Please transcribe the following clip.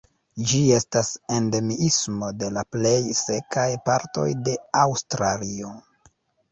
Ĝi estas endemismo de la plej sekaj partoj de Aŭstralio.